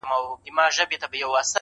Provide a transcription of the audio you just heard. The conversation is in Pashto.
په کاروان کي سو روان د هوښیارانو؛